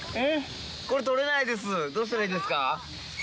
これ取れないですどうしたらいいですか？